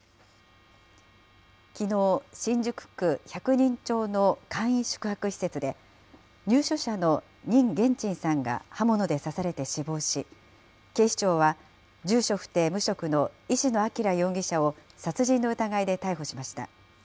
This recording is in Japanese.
きのう、新宿区百人町の簡易宿泊施設で、入所者の任元珍さんが刃物で刺されて死亡し、警視庁は住所不定無職の石野彰容疑者を殺人の疑いで逮捕しました。